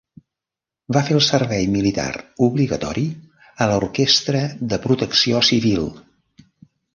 Va fer el servei militar obligatori a l'orquestra de Protecció Civil.